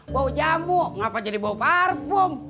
bau jamu ngapain jadi bau parfum